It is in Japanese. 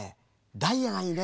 ダイヤがいいね。